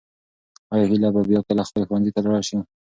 آیا هیله به بیا کله خپل ښوونځي ته لاړه شي؟